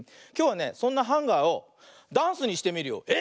きょうはねそんなハンガーをダンスにしてみるよ。